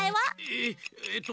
えっえっと